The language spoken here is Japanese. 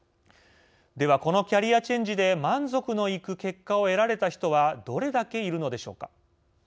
では、このキャリアチェンジで満足のいく結果を得られた人はどれだけいるのでしょうか。